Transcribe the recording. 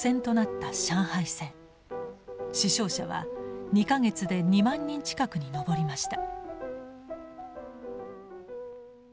死傷者は２か月で２万人近くに上りました。